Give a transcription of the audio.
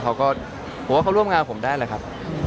มีเรื่องร่วมงานควรได้แหละ